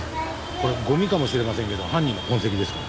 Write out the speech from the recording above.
これゴミかもしれませんけど犯人の痕跡ですから。